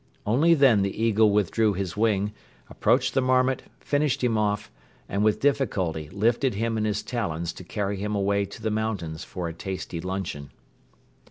Only then the eagle withdrew his wing, approached the marmot, finished him off and with difficulty lifted him in his talons to carry him away to the mountains for a tasty luncheon.